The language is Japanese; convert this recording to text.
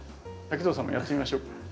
滝藤さんもやってみましょうか。